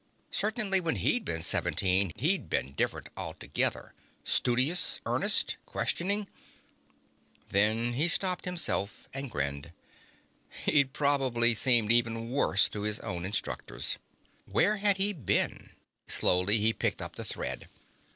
Certainly, when he'd been seventeen, he'd been different altogether. Studious, earnest, questioning ... Then he stopped himself and grinned. He'd probably seemed even worse to his own instructors. Where had he been? Slowly, he picked up the thread.